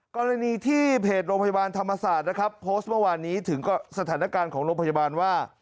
กรณีที่เพจโรงพยาบาลธรรมศาสตร์นะครับโพสต์เมื่อวานนี้ถึงสถานการณ์ของโรงพยาบาลว่า